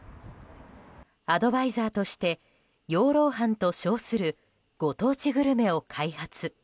アドバイザーとして養老飯と称するご当地グルメを開発。